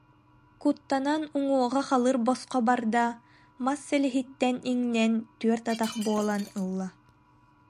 Куттанан уҥуоҕа халыр босхо барда, мас силиһиттэн иҥнэн түөрт атах буолан ылла